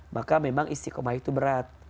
maka memang istiqomah itu berat